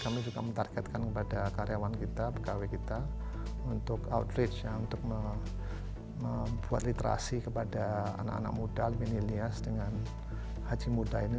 kami juga menargetkan kepada karyawan kita pegawai kita untuk outreach untuk membuat literasi kepada anak anak muda al minias dengan haji muda ini